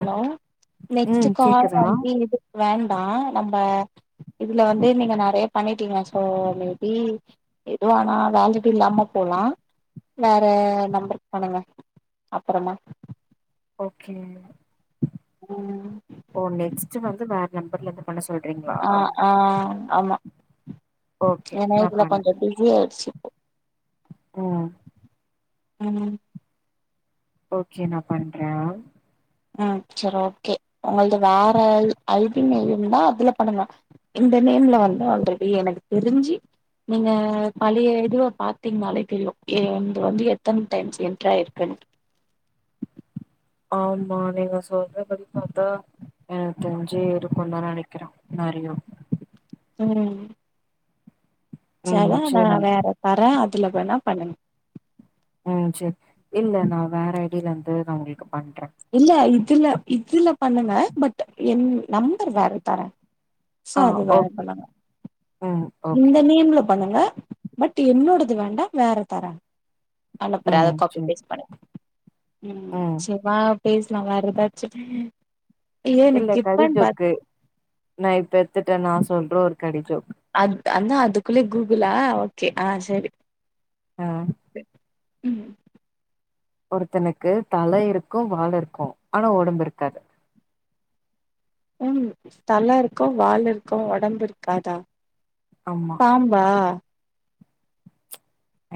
hello next ம் call கேக்குதா [unintelligible] இது வேண்டா நம்ப இதுல வந்து நீங்க நெறைய பண்ணிட்டீங்ளா சகோதிரி எதோ ஆனா அது ஆல்செக்டிவ் நம்ம போலா இல்ல வே நம்பர் பண்ணுங்க அப்புறம்மா ஓகே ஓ நெக்ஸ்ட் வந்து வேற நம்பர்ல எது பண்ண சொல் ஆஹ் ஆஹ் ஆமா ஓகே [inaudible] ஏன்னா நா இதுல கொஞ்சோ பிசி ஆயிடுச்சி உஹம் உஹம் ஓகே நா பண்ற ஹம் செரி ஓகே உங்களது வேற அறிவிமையும் தா அதுல பண்ணுங்க இந்த நேம்ல வந்து ஆல்ரெடி எனக்கு தெரிஞ்சு நீங்க பழைய இதுவ பாத்தீங்கன்னாலே தெரியு ஏ வந்து எத்தன டைம்ஸ் என்டர் ஆயிருக்குனு ஆமா நீங்க சொல்றபடி பாத்தா எனக்கு தெரிஞ்சு இருக்கும்னுான் நினைக்கிற நெறைய உஹம் ம் செலா நா சேரி நம் வேற தரேன் அதுல வேணா பண்ணணு ஹம் செரி இல்ல நா வேற ஐடியில இருந்து நா உங்களுக்கு பண்றே இல்ல இ இதுல இதுல பண்ணுவ பட் என் நம்பர் வேற தரேன் ச ஆ அது வேர ஓகே பண்ணணு ம் ஓகே இந்த நேம்ல பண்ணுங்க பட் என்னோடது வேண்டாம் வேற தரே அனுப்புற ம் அத காப்பி சேரி பேஸ்ட் பண்ணுங்க ம் சரி வா பேசலாம் வேறயெதாச்சு ஏ இல்ல எனக்கு கடி இப்பனு பாத்து ஜோக்கு நா இப்ப எத்துட்டே நா சொல்றே ஒரு கடிஜோக் அ அனா அதுக்குள்ளே கூகுளா ஓகே ஆஹ் சரி ஆஹ் உம் ஒருத்தனுக்கு தல இருக்கு வால் இருக்கு ஆனா ஒடம்பு இருக்காது உம் தல இருக்கு வால் இருக்கு ஒடம்பு இருக்காதா ஆமா பாம்பா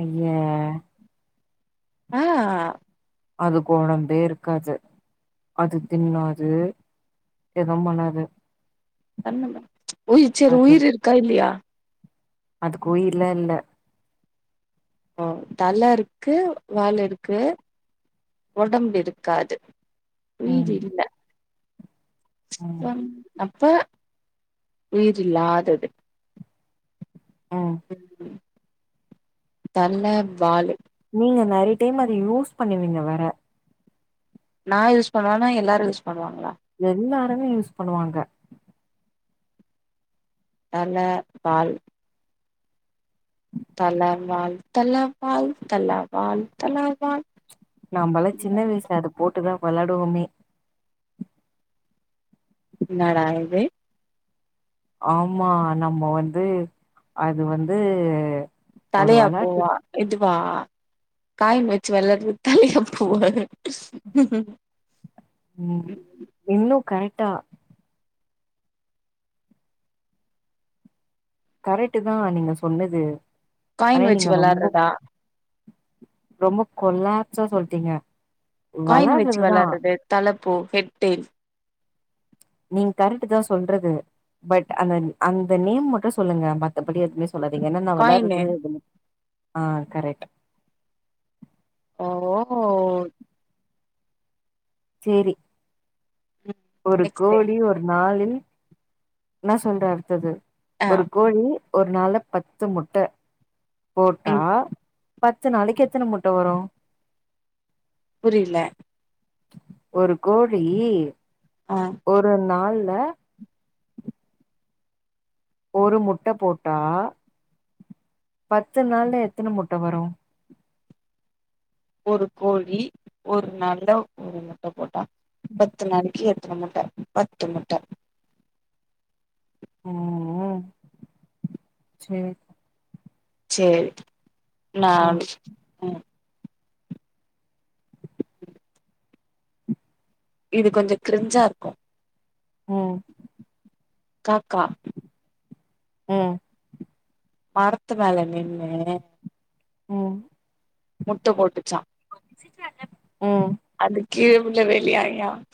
ஐய்யா ஆஹ் அதுக்கு ஒடம்பே இருக்காது அது தின்னாது எதும் பண்ணாது உயி சரி அது உயிர் இருக்கா இல்லையா அதுக்கு உயிர்லா இல்ல ஓ தல இருக்கு வால் இருக்கு உடம்பு இருக்காது ம் வீடில்லே ம் அ அப்ப [unintelligible] வீடில்லாதது ம் [inaudible] தல்ல வாலு நீங்க நெறைய டைம் அத யூஸ் பண்ணுவிங்க வேற நா யூஸ் பண்ணுவனா எல்லாரும் யூஸ் பண்ணுவாங்களா எல்லாருமே யூஸ் பண்ணுவாங்க தலை பால் தல வால் தல வால் தல வால் தல வால் நாம்பலா சின்ன வயசுல அத போட்டுதா விளாடுவோமே என்னடா இது ஆமா நம்ம வந்து அது வந்து ஒரு தலையா வெளாட்டு போவா இதுப் வா காயின் வச்சு வெளாட்று தலியா பூவா உம் ஹும் உம் இன்னும் கரெக் ட்டா கரெக்ட்டு தா நீங்க சொன்னது ஆனா காயின் வச்சு நீங்க ரொம்ப வெளாட்றதா ரொம்ப கொல்லாப்சா சொல்டீங்க காயின் வச்சு வெளாட்றது தலப் பூ ஹெட் டெயில் நீ கரெட்டு தா சொல்றது பட் அந்த அந்த நேம் மட்டும் சொல்லுங்க மத்தபடி எத்மே சொல்லாதீங்க என்னென்னா நா காயினு வெளாட்றது ஆஹ் கரெட் ஓ ஓ சேரி ம் ஒரு நெக்ஸ்ட் டே கோழி ஒரு நாளில் என்னா சொல்றே அடுத்தது ஆ ஒரு கோழி ஒரு நாள்ல பத்து முட்டை போட்டா ம் பத்து நாளைக்கு எத்தனை முட்டை வரும் புரில ஒரு கோழி ஆ ஒரு நாள் ல்ல ஒரு முட்ட போட்டா பத்து நாள்ல எத்தன முட்ட வரும் ஒரு கோழி ஒரு நாள்ல ஒரு முட்ட போட்டா பத்து நாளைக்கு எ முட்ட பத்து முட்ட உஹ் செரி செரி நா ம் உம் இது கொஞ்சம் கிரிஞ்சா இருக்கும் ம் காக்கா உம் மரத்து மேலே நின் உம் ம் முட்ட போட்டுச்சான் ம் அது கீழ உழவேலையாம் யான்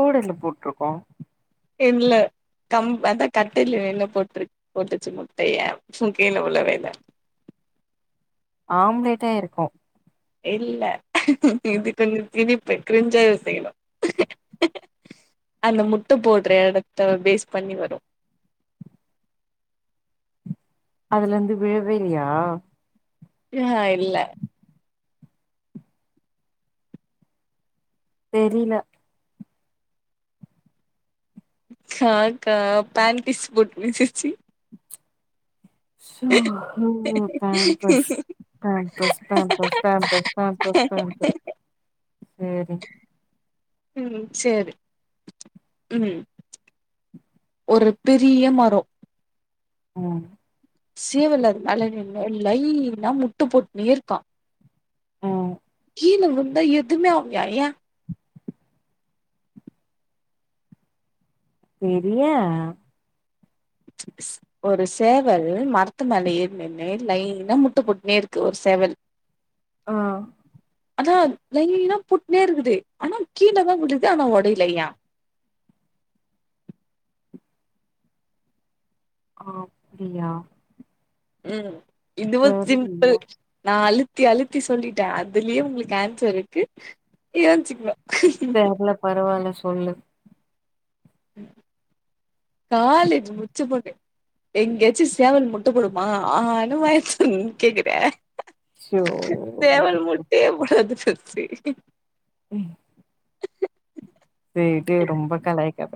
கூடைல்ல போட்டுருக்கும் இல்ல கம் அதான் கட்டில நின்னு போட்டுறு போட்டுச்சு முட்டைய கீழ உழவேல ஆம்லேட்டெ இருக்கும் இல்ல இது கொஞ்சம் திணிப்பு கிரிஞ்சா யோசிக்கணும் அந்த முட்ட போடுற இடத்த பேஸ் பண்ணி வரும் அதுல இருந்து விழவேலியா ஆஹ் இல்ல தெரில காக்கா பேண்டிஸ் போட்ருந்துச்சி Pampers Pampers Pampers Pampers Pampers உம் செரி உம் ஒரு பெரிய மரம் உம் சேவல் அது மேல நின்னு லைன்னா முட்ட போட்டுனே இருக்கான் ம் கீழே விழுந்தா எதுவுமே ஆவலயாம் ஏன் தெரியா ஒரு சேவல் மரத்து மேல ஏறி நின்னு லைனா முட்டு போட்டுனே இருக்கு ஒரு சேவல் ஆஹ் அதான் லைன்னா போட்டுனே இருக்குது ஆனா கீழே தான் விழுது ஆனா ஒடைல ஏன் அ அப்டியா உம் இதுவும் சிம்பிள் தெர்லியே நாலு ழுத்தி அழுத்தி சொல்லிட்டேன் அதுலயே உங்களுக்கு ஆன்சர் இருக்கு யோனிச்சுகோ தெர்ல பரவாயில்ல சொ சொல்லு காலேஜ் முச்சு போகே எங்கேயாச்சும் சேவல் முட்டைப்போடுமா ஆனு வாய தெரன்னு கேக்குறே சோ சேவல் முட்டயே போடாது செரி ம் [unintelligible] செரி செரி ரொம்ப கலாயக்காத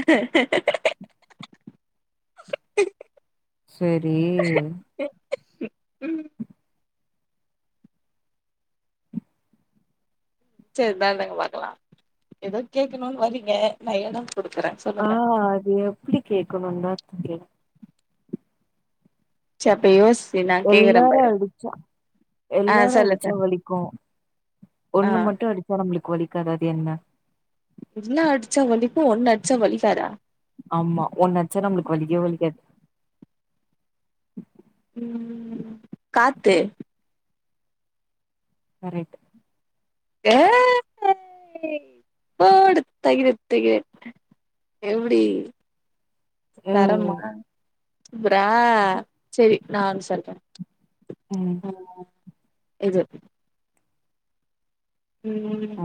[inaudible] செரி [unintelligible] ம் செரிதான்ங்க பாக்கலாம் ஏதோ கே்கணும்னு வரீங்க தையக்கம் ஆ அது எப்டி கேட்கணும் தா கேலு சப்பயூஸ் எல்லாரும் அடிச்சா ஆ எல்லாரும் சொல்லு அடிச்சா சொல்லு வலிக்கும் ஆ ஒண்ணு மட்டும் அடிச்சா நம்மளுக்கு வலிக்காது அது என்ன ஒன்ன அடிச்சா வலிக்காதா ஆமா ஒன்ன அடிச்சா நம்மளுக்கு வலிக வலிக்காது ம் காத்து கரெக்ட் ஏ போடு தகிட தகிட எப்டி தரமா ம் சூப்பரா செரி நான் ஒன்னு சொல்ற ம் இது ம்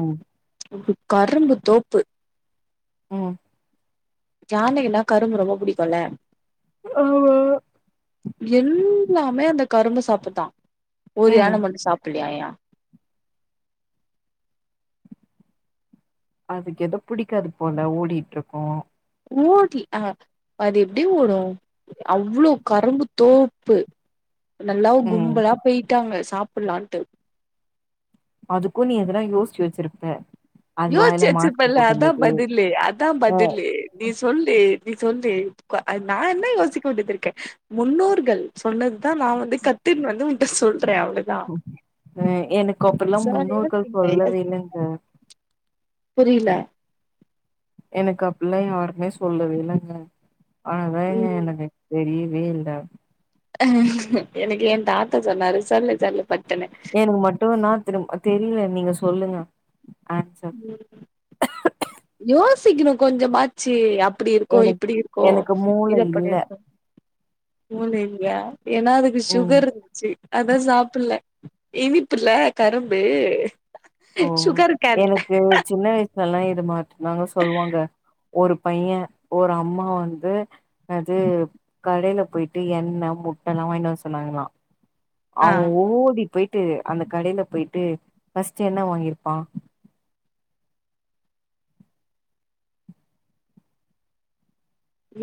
கரும்பு தோப்பு ம் ஜானை எல்லாம் கரும்பு ரொம்ப புடிக்கும்ல ஆமா எல்லாமே அந்த கரும்பு சாப்டுதான் ஒரு யான ம் மட்டும் சாப்பிடலையா யா அதுக்கு எதோ புடிக்காது போல ஓடிட்டு இருக்கோம் ஓடல அ அது எப்டி ஓடும் அவ்ளோ கரும்பு தோப்பு நல்லாவ ம் கும்பலா போயிட்டாங்க சாப்ப சாப்டலான்ட்டு அதுக்கும் நீ இதல்லாம் யோசிச்சு வச்சிருப்ப அது வாயில மாஸ்க் யோசிச்சிருப்பல அதான் போட்டுந்தது பதில்லு அதான் அ பதில்லு நீ சொல்லு நீ சொல்லு நான் என்ன யோசிக்க வேண்டியது இருக்கேன் முன்னோர்கள் சொன்னதுதான் நான் வந்து கத்தின் வந்து உன்ட சொல் ஆ எனக்கு அப்பல்லாம் சார் முன்னோர்கள் யோசிங்க சொல்லவேலைங்க புரியல எனக்கு அப்படில்லாம் யாருமே சொல்லவே இல்லைங்க அதான்ங்க ம் எனக்கு பெரியது வே இல்ல அஹ் எனக்கு என் தாத்தா சொன்னாரு சொல்லு சொல்லு பட்டுன்னு ஏனுங்க மட்டும் நான் த்துரும் தெரியலை நீங்க சொல்லுங்க ஆன்சர் உம் யோசிக்கணும் கொஞ்சமாச்சு அப் இப்படி இருக்கோம் எனக்கு இப்படி இருக்கோம் எனக்கு மூளை இல்ல இதைப்பண்ணியாச்சா உங்கள்ட்ட இல்லியா ஏன்னா அதுக்கு ம் சுகர் இருந்துச்சு அதான் சாப்பிடலை இனிப்புல்ல கரும்பு ஓ சுகர் கேன் எனக்கு சின்ன வயசு லல இதெல்லாம் இது மாட்னாங்க சொல்லுவாங்க ஒரு பையன் ஒரு அம்மா வந்து அது கடையில போயிட்டு எண்ணெய் முட்டை எல்லாம் வாய்ன்ட்டு வர சொன்னாங்களாம் ஆ அவன் ஓடி பெய் ட்டு அந்த கடையில போயிட்டு ஃபஸ்ட்டு என்ன வாங்கிருப்பான்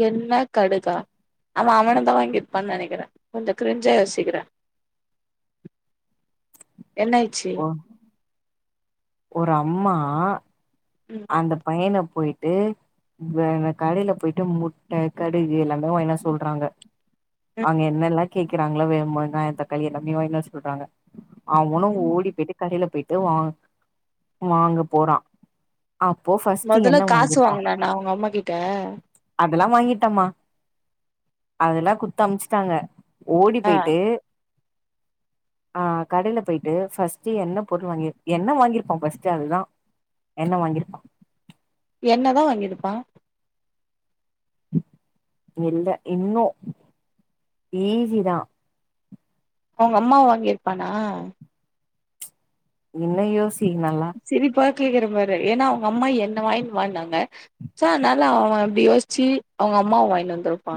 என்ன கடுக்கா அவன் அவன தான் வாங்கிருப்பான்னு நெனைக்கிறேன் கொஞ்சம் கிரிஞ்சா யோசிக்கிறேன் என்னாய்ச்சு ஒ ஒரு அம்மா ம் அந்த பையன போயிட் டு இப்ப அந்த கடையில போயிட்டு முட்டை கடுகு எல்லாமே எவன் என்ன சொல்றாங்க ம் அங்க என்னல்லாம் கேக்கிறாங்களா வேகமா வெங்காயம் தக்காளி எல்லாமே என்னைய வாய்ன்ட்டு வர சொல்றாங்க அவனும் ம் ஓடி போயிட்டு கடையில போயிட்டு இதோ வாங் வாங்க போறான் முதல்ல காசு வாங்குனானா அவுங்க அம்மா கி ட்ட அதெல்லாம் வாங்கிட்டான்மா அதெல்லாம் குத்து அமுச்சிட்டாங்க ஓடி ஆ போயிட்டு அஹ் கடையில போயிட்டு ஃபர்ஸ்ட்டு என்ன பொருள் வாங்கி என்ன வாங்கிருப்பான் ஃபர்ஸ்ட்டு அதுதான் எண்ண வாங்கிருப்பான் என்னதான் வாங்கிருப்பான் இல்லை இன்னும் ஈசிதான் உங்க அம்மாவை வாங்கியிருப்பானா என்ன யோசி தீ நல்லா கேக்குறே பாரு ஏன்னா அவுங்க அம்மா என்ன வாய்ன்ட்டு வான்னாங்க சோ அதனால அவன் இப்டி யோச்சு அவுங்க அம்மாவ வாய்ன்டு வந்துருப்பா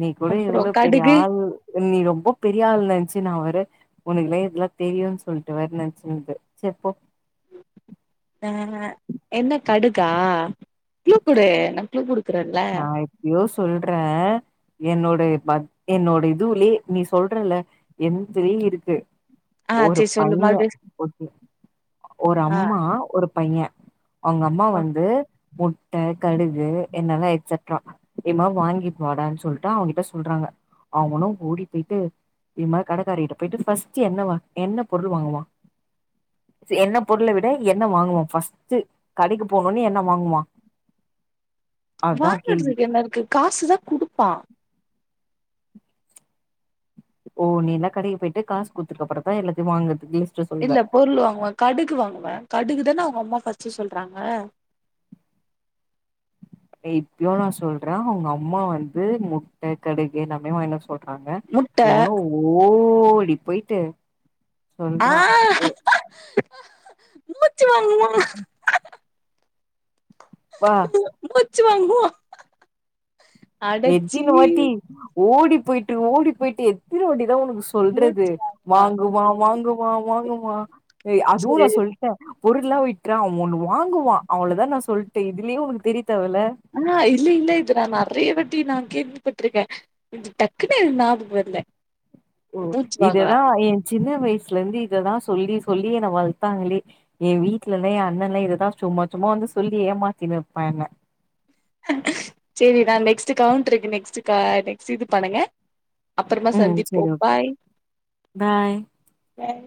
நீ கூட அப்றோ எவ்ளோ பெரிய கடுகு ஆள் நீ ரொம்ப பெரிய ஆள் நெனச்சு நா வேர உனக்குமே இதல்லா தெரியுன் சொல்ட்டு வேர நெனச்சுனுந்தெ சே போ ஆ அ என்ன கடுகா ஃக்ளூ குடு நா ஃக்ளூ குடு நா எப்பயோ சொல்றே என்னோட் டே பாத் என்னோட இதுவுலே நீ சொல்றல என்துலேயுருக்கு ஆ ஒரு சேரி சொல்லு பைய மறுபடியு ஒகே ஒரு ஆ அம்மா ஒரு பைய அவுங்க அம்மா வந்து முட்ட கடுகு என்னல்லா சட்றா இ மா வாங்கிட் வாடான் சொல்ட்டா அவங்கிட்ட சொல்றாங்க அவனு ஓடி போயிட்டு இ மா கடைக்காரகிட்ட போயிட்டு ஃபஸ்ட் என்ன வா என்ன பொருள் வாங்குவா என்ன பொருள விட என்ன வாங்குவா ஃபஸ்ட்டு கடைக்கு போனோனே என்ன வாங்குவா அதா கேள்வி வாங்கறதுக்கு என்ன இருக்கு காசுதா குடுப்பா ஓ நீல்லா கடைக்கு போயிட்டு காசு குத்ததுக்கப்புறதா எல்லாத்தையு வாங்குறது இல் இல்ல பொருள் வாங்குவ கடுகு வாங்குவ கடுகு தான அவ் அம்மா ஃபஸ்ட்டு சொல்றாங்க ஏய் இப்பயோ நா சொல்ற அவுங்க அம்மா வந்து முட்ட கடுகு எல்லாமே வாய்னு வர சொல் சொல்றாங்க முட்ட இவனு ஓ ஓடி போய்ட்டு சொல்றா உ முச்ச வா ம் வா ச்சுவாங்குவோ எத்தினுவாட்டி ஓடி போயிட்டு ஓடி போயிட்டு எத்தன வாட்டி தா ஒனக்கு சொல்றது மூச்சு வாங்குவா ம் வாங்குவா கண்டுபிடிச்சிட்டே வாங்குமா ஏய் அதுவு நா சேரி சொல்ட்ட பொருள்ளா விட்றா அவ ஒன் வாங்குவா அவளதா நா சொல்ட்ட இதுலயே உனக்கு தெரி ஆஹ் இல்ல இல்ல இது நா நெறைய வாட் த்தி நா கேள்விபட்ருக்க கொஞ்ச டக்குன்னு நாபக வர்ல ஓ மூச்சு வாங்குறா இதேதா எ சின்ன வயசு சுலந்து இததா சொல்லி சொல்லி என்ன வளத்தாங்ளே எ வீட்லலே எ அண்ணனே இததா சும்மா சும்மா வந்து சொல்லி ஏமாத்தினுருப்பா என்ன சேரி நா நெக்ஸ்ட்டு கவுண்ட்ருக்கு நெக்ஸ்ட்டு கா நெக்ஸ்ட்டு இது பண்ணுங்க அப்பறமா ம் சந்திப்போ செரி ஓகே பாய் பாய் பாய்